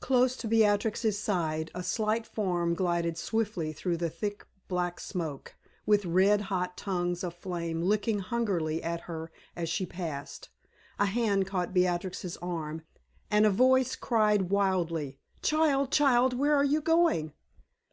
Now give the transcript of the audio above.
Close to Beatrix's side a slight form glided swiftly through the thick black smoke, with red hot tongues of flame licking hungrily at her as she passed. A hand caught Beatrix's arm, and a voice cried wildly: "Child! child! where are you going?"